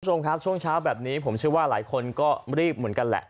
คุณผู้ชมครับช่วงเช้าแบบนี้ผมเชื่อว่าหลายคนก็รีบเหมือนกันแหละ